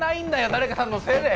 誰かさんのせいで！